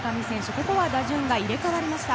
ここは打順が入れ替わりました。